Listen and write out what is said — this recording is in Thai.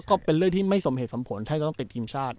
ก็เป็นเรื่องที่ไม่สมเหตุสมผลท่านก็ต้องติดทีมชาติ